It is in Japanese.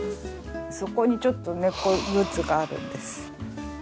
そこにちょっと猫グッズがあるんです。